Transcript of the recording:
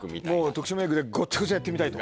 特殊メイクでごっちゃごちゃやってみたいと。